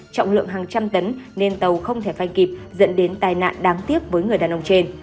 trọng lượng hàng trăm tấn nên tàu không thể phanh kịp dẫn đến tai nạn đáng tiếc với người đàn ông trên